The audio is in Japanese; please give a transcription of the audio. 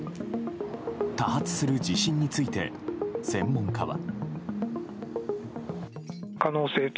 多発する地震について専門家は。